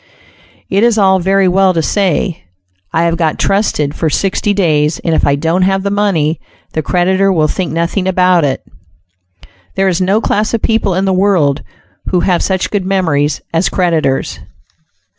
It is all very well to say; "I have got trusted for sixty days, and if I don't have the money the creditor will think nothing about it." There is no class of people in the world, who have such good memories as creditors.